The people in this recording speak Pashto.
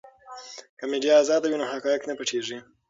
که میډیا ازاده وي نو حقایق نه پټیږي.